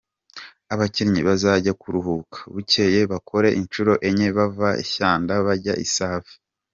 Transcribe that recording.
Abakinnyi bazajya kuruhuka, bukeye bakore inshuro enye bava i Shyanda bajya i Save.